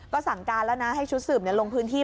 ก็สั่งการแล้วนะให้ชุดสืบลงพื้นที่